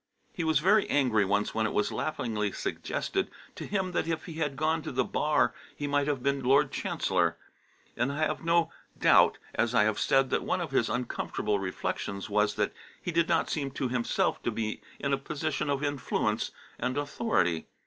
He was very angry once when it was laughingly suggested to him that if he had gone to the Bar he might have been Lord Chancellor; and I have no doubt, as I have said, that one of his uncomfortable reflections was that he did not seem to himself to be in a position of influence and authority.